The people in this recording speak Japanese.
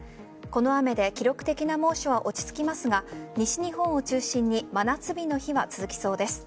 この雨で記録的な猛暑は落ち着きますが西日本を中心に真夏日の日は続きそうです。